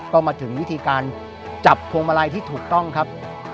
ก็มาถึงวิธีการจับพวงมาลัยที่ถูกต้องครับ